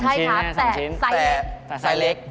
ใช่ครับแต่ใส่เล็ก